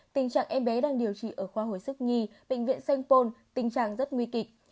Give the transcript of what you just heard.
tình trạng em bé đang điều trị ở khoa hồi sức nghi bệnh viện st paul tình trạng rất nguy kịch